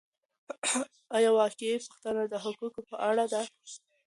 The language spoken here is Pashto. آيا واقعي پوښتنې د حقایقو په اړه دي؟